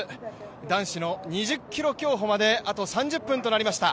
男子の２０ｋｍ競歩まであと３０分となりました。